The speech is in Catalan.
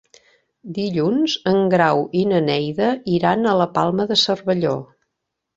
Dilluns en Grau i na Neida iran a la Palma de Cervelló.